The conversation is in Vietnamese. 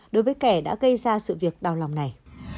đối với kẻ đã gây ra sự việc đau lòng này